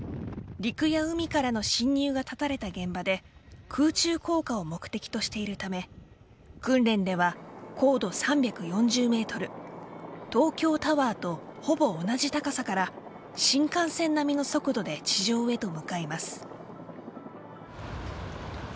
陸や海からの侵入が断たれた現場で空中降下を目的としているため訓練では高度３４０ｍ東京タワーとほぼ同じ高さから新幹線並みの速度で地上へと向かいます。